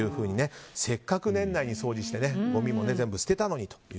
せっかく年内に掃除してごみも全部捨てたのにと。